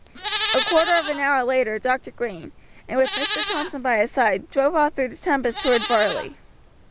A quarter of an hour later Dr. Green, with Mr. Thompson by his side, drove off through the tempest toward Varley.